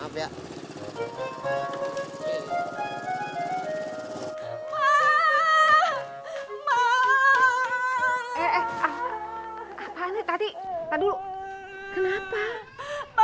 appannya tadi tadizu kenapa